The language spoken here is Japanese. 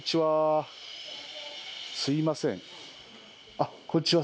あっこんにちは。